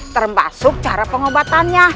termbasuk cara pengobatannya